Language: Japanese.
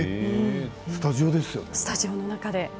スタジオですよね？